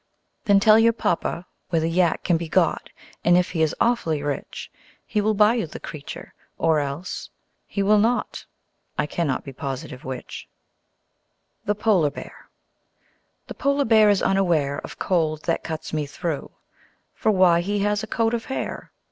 Then tell your papa where the Yak can be got, And if he is awfully rich He will buy you the creature or else he will not. (I cannot be positive which.) The Polar Bear The Polar Bear is unaware Of cold that cuts me through: For why? He has a coat of hair.